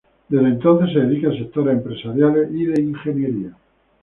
Desde entonces, se dedica a sectores empresariales y de ingeniería.